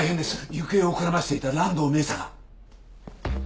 行方をくらませていた蘭堂明紗が。